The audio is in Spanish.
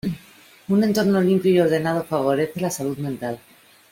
Un entorno limpio y ordenado favorece la salud mental.